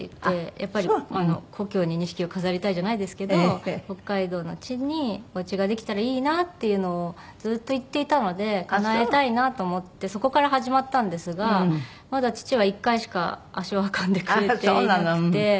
やっぱり「故郷に錦を飾りたい」じゃないですけど北海道の地にお家ができたらいいなっていうのをずっと言っていたのでかなえたいなと思ってそこから始まったんですがまだ父は１回しか足を運んでくれていなくて。